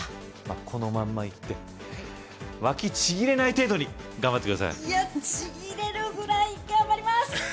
このまんまいってわきちぎれない程度に頑張って下さいいやちぎれるぐらい頑張ります